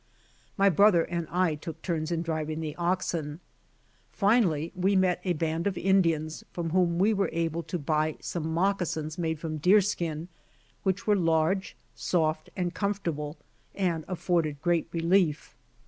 My brother and I took turns in driving the oxen. Finally we met a band of Indians from: whom we were able to buy MOCCASINS BRING RELIEF 31 some mwcasins made from deer skin, which were large, soft, and comfortable, and afforded great relief.